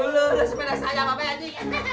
lo udah sepeda saya apa be haji